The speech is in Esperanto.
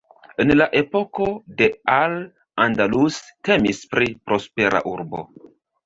En la epoko de Al Andalus temis pri prospera urbo.